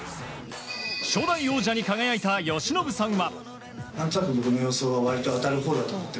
初代王者に輝いた由伸さんは。